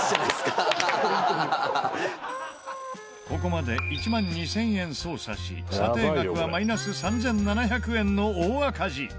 ここまで１万２０００円捜査し査定額はマイナス３７００円の大赤字。